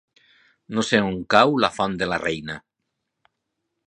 No sé on cau la Font de la Reina.